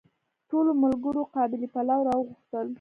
ټولو ملګرو قابلي پلو راوغوښتل.